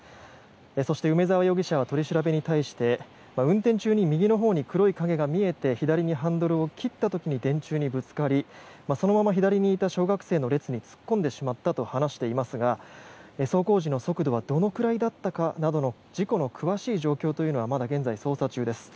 そして、梅沢容疑者は取り調べに対して、運転中に右のほうに黒い影が見えて左にハンドルを切った時に電柱にぶつかりそのまま左にいた小学生の列に突っ込んでしまったと話していますが走行時の速度はどのくらいだったかなどの事故の詳しい状況というのはまだ現在、捜査中です。